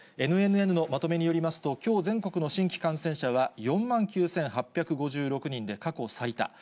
ＮＮＮのまとめによりますと、きょう全国の新規感染者は４万９８５６人で過去最多。